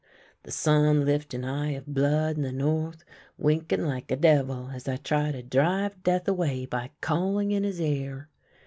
The sun hft an eye of blood in the north, winking like a devil as I try to drive Death away by calling in his ear.